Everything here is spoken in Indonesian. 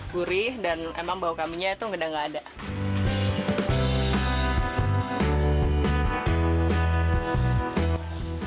gurih dan memang bau kambingnya itu ganda ganda tidak ada